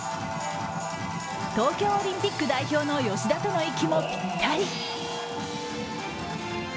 東京オリンピック代表の吉田との息もぴったり。